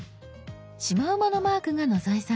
シマウマのマークが野添さん。